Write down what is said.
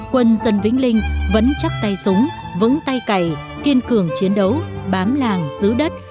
quân dân vĩnh linh vẫn chắc tay súng vững tay cày kiên cường chiến đấu bám làng giữ đất